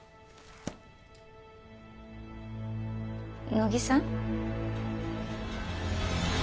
乃木さん？